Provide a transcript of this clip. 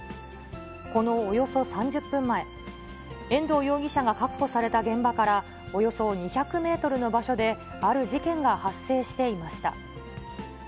このおよそ３０分前、遠藤容疑者が確保された現場からおよそ２００メートルの場所で、ある事件が発生していました。